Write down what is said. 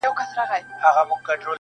• زه د یویشتم قرن ښکلا ته مخامخ یم.